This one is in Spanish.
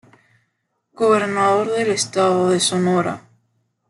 Gobernador del Estado de Sonora.